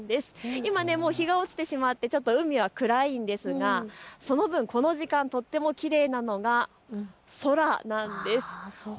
今、日が落ちてしまって海は暗いんですがその分、この時間、とってもきれいなのが空なんです。